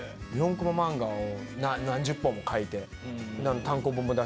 ４コマ漫画を何十本も書いて。